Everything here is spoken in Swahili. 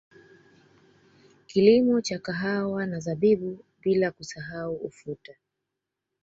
Kilimo cha kahawa na zabibu bila kusahau ufuta